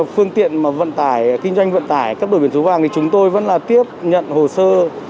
phương tiện mà vận tải kinh doanh vận tải cấp đổi biển số vàng thì chúng tôi vẫn là tiếp nhận hồ sơ